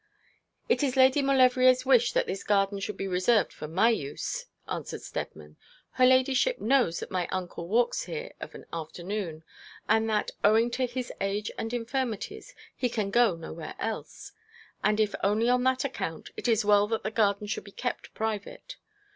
'It is Lady Maulevrier's wish that this garden should be reserved for my use,' answered Steadman. 'Her ladyship knows that my uncle walks here of an afternoon, and that, owing to his age and infirmities, he can go nowhere else; and if only on that account, it is well that the garden should be kept private.